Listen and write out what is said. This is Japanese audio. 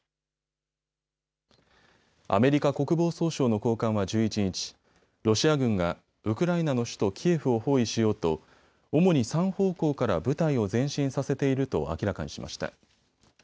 アメリカ国防総省の高官は１１日、ロシア軍がウクライナの首都キエフを包囲しようと主に３方向から部隊を前進させていると明らかにしました。